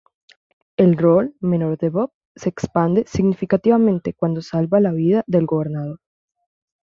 El rol menor de Bob se expande significativamente cuando salva la vida del Gobernador.